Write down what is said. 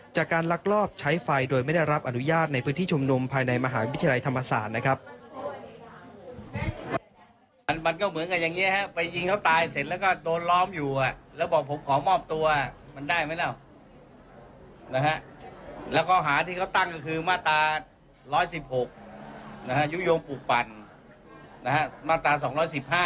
จากการลักลอบใช้ไฟโดยไม่ได้รับอนุญาตในพื้นที่ชุมนุมภายในมหาวิทยาลัยธรรมศาสตร์นะครับ